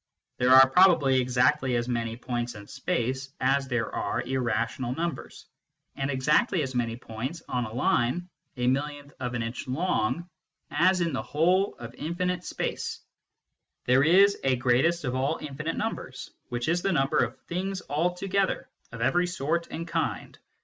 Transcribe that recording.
There are probably exactly as many points in space as there are irrational numbers, and exactly as many points on a line a millionth of an inch long as in the whole of infinite space, There is a greatest of all infinite numbers, which is the number of things altogether, of every sort and kind.